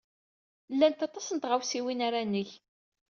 Llant aṭas n tɣawsiwin ara neg!